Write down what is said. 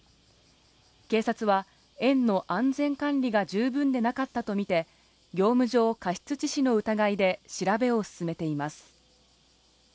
警察は園の安全管理が十分でなかったとみて、業務上過失致死の疑いで調べを進めています。